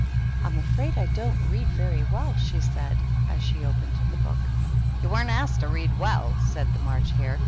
" I'm afraid I don't read very well," she said, as she opened the book. "You weren't asked to read well^^ said the March Hare.